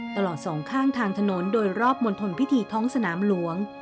สองข้างทางถนนโดยรอบมณฑลพิธีท้องสนามหลวง